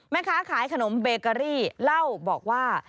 แม่ค้าขายขนมเบเกอรี่เล่าบอกว่า